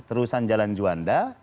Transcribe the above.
terusan jalan juanda